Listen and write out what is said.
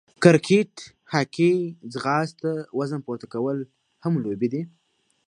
کرکېټ، هاکې، ځغاسته، وزن پورته کول هم لوبې دي.